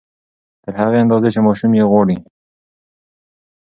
تر هغې اندازې چې ماشوم يې غواړي